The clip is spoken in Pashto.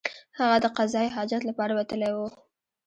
هغه د قضای حاجت لپاره وتلی وو.